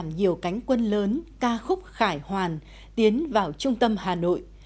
làm nhiều cánh quân lớn ca khúc khải hoàn tiến vào trung tâm hà nội